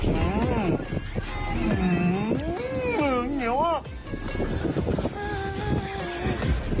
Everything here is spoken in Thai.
อื้มมืองเหนียวมาก